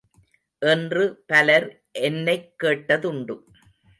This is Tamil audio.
என்று பலர் என்னைக் கேட்டதுண்டு.